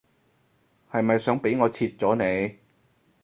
係咪想俾我切咗你